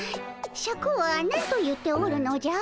シャクは何と言っておるのじゃ？